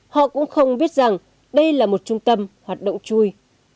họ cũng không biết rằng đây là một trung tâm hoạt động chui